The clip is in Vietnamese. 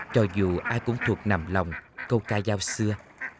cho dù ai cũng thuộc nằm lòng câu ca giao xưa